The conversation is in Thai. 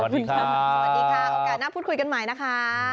สวัสดีค่ะโอกาสน่าพูดคุยกันใหม่นะคะ